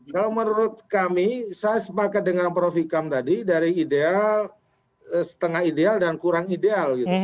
kalau menurut kami saya sepakat dengan prof ikam tadi dari ideal setengah ideal dan kurang ideal gitu